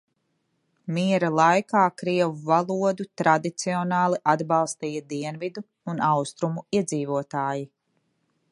Miera laikā krievu valodu tradicionāli atbalstīja dienvidu un austrumu iedzīvotāji.